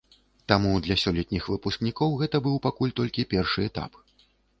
Таму для сёлетніх выпускнікоў гэта быў пакуль толькі першы этап.